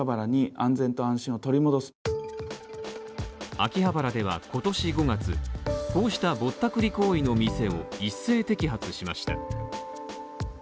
秋葉原では今年５月、こうしたぼったくり行為の店を一斉摘発しました。